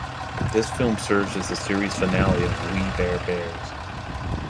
This film serves as the series finale of "We Bare Bears".